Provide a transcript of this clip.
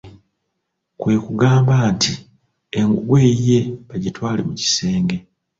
Kwe kugamba nti engugu eyiye bagitwale mu kisenge.